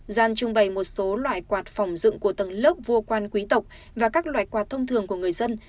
gian trưng bày một số loại quạt phòng dựng của tầng lớp vô quan quý tộc và các loại quạt thông thường của người dân